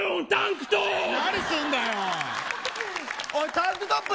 タンクトップ。